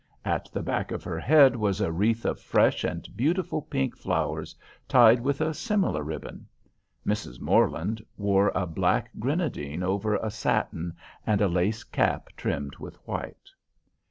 At the back of her head was a wreath of fresh and beautiful pink flowers, tied with a similar ribbon. Mrs. Morland wore a black grenadine over a satin, and a lace cap trimmed with white.